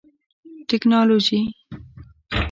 ټکنالوژي